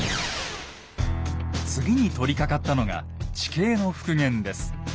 次に取りかかったのが地形の復元です。